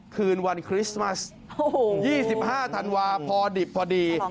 คืนวันคริสต์มัส๒๕ธันวาพอดิบพอดี